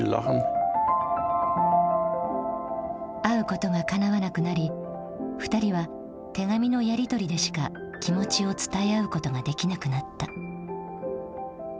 会うことがかなわなくなり２人は手紙のやりとりでしか気持ちを伝え合うことができなくなった。